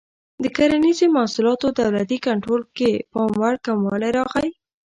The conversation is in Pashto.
د کرنیزو محصولاتو دولتي کنټرول کې پاموړ کموالی راغی.